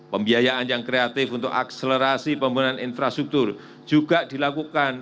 pembiayaan yang kreatif untuk akselerasi pembangunan infrastruktur juga dilakukan